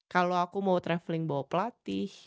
kalo aku mau traveling bawa pelatih